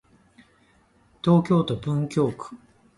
東京都文京区